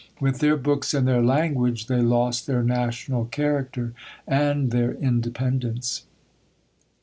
With their books and their language they lost their national character and their independence.